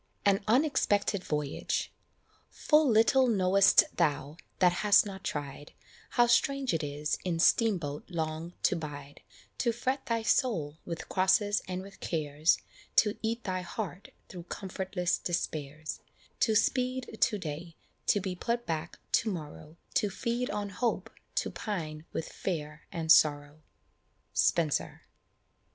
AN UNEXPECTED VOYAGE. Full little know'st thou, that hast not tried, How strange it is in "steam boat" long to bide, To fret thy soul with crosses and with cares, To eat thy heart through comfortless despairs, To speed to day to be put back to morrow To feed on hope to pine with fear and sorrow. Spenser.